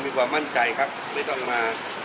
มีความมั่นใจครับไม่ต้องมา